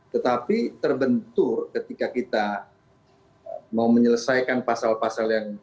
tetapi terbentur ketika kita mau menyelesaikan pasal pasal yang berkaitan dengan data